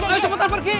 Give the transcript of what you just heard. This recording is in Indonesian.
ayo sebutan pergi